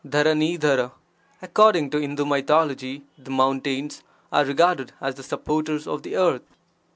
[%KpJ|£R — According to Hindu mythology the mountains are regarded as the supporters of the earth.